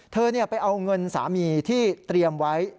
เธอไปเอาเงินสามีที่เตรียมไว้